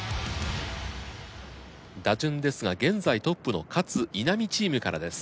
打順ですが現在トップの勝・稲見チームからです。